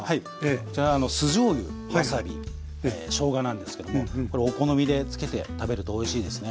こちらは酢じょうゆわさびしょうがなんですけどもこれお好みでつけて食べるとおいしいですね。